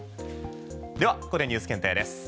では、ここでＮＥＷＳ検定です。